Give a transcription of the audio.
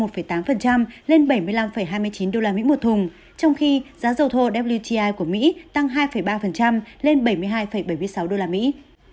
bảy mươi năm hai mươi chín đô la mỹ một thùng trong khi giá dầu thô wti của mỹ tăng hai ba lên bảy mươi hai bảy mươi sáu đô la mỹ